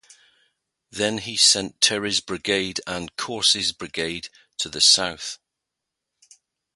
Then he sent Terry's brigade and Corse's brigade to the south.